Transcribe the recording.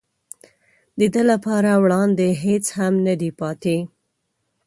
د ده لپاره وړاندې هېڅ هم نه دي پاتې.